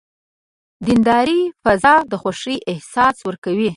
د نندارې فضا د خوښۍ احساس ورکوي.